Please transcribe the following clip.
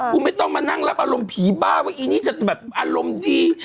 ไม่ต้องมานั่งรับอารมณ์ผีบ้าว่าอีนี่จะแบบอารมณ์ดี